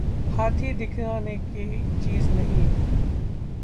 हाथी दिखाने की चीज नहीं